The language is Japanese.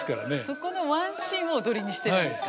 そこのワンシーンを踊りにしてるんですか。